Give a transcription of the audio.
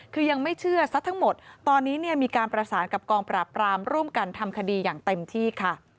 คือยังไม่เชื่อซะทั้งหมดตอนนี้เนี่ยมีการประสานกับกองปราบปรามร่วมกันทำคดีอย่างเต็มที่ค่ะ